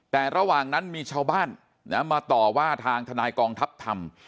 แต่ระหว่างนั้นมีชาวบ้านมาต่อว่าทางทนายกองทัพธรรม